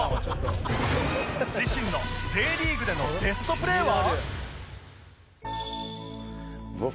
自身の Ｊ リーグでのベストプレーは？